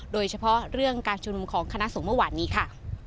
โดยเฉพาะเรื่องการชุมนุมของคณะสงฆ์เมื่อวานนี้ค่ะ